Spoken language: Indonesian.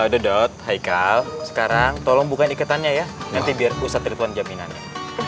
dedot aikal sekarang tolong buka iketannya ya nanti biar ustadz telpon jaminannya